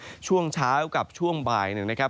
โดยเฉพาะวัน๒วันนี้อุณหภูมิช่วงเช้ากับช่วงบ่ายหนึ่งนะครับ